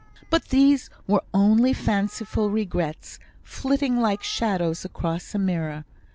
But these were only fanciful regrets, flitting like shadows across a mirror.